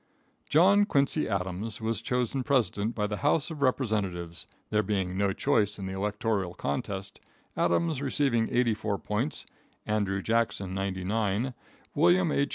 John Quincy Adams was chosen president by the House of Representatives, there being no choice in the electoral contest, Adams receiving 84 votes, Andrew Jackson 99, William H.